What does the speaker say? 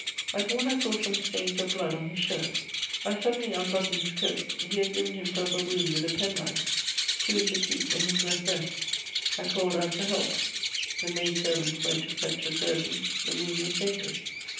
I thought I saw some stains of blood on his shirt; I suddenly unbuttoned his coat: he had given himself a wound with a penknife, two inches deep, in his left breast. I called out for help. The maid servant went to fetch a surgeon. The wound was dangerous.